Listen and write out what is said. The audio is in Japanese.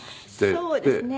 そうですね。